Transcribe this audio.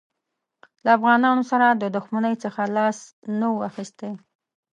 له افغانانو سره د دښمنۍ څخه لاس نه وو اخیستی.